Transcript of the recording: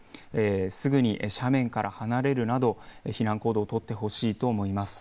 すぐに斜面から離れるなど避難行動を取ってほしいと思います。